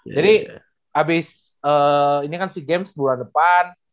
jadi abis ini kan si games bulan depan